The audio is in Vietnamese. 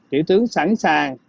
thủ tướng sẵn sàng